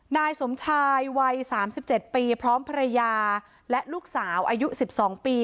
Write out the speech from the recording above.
นายสมชายวัยสามสิบเจ็ดปีพร้อมเพรยาและลูกสาวอายุสิบสองปี